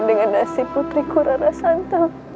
dengan nasib putri kurara santel